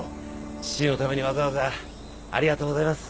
父のためにわざわざありがとうございます。